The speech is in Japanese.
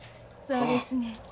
そうですねん。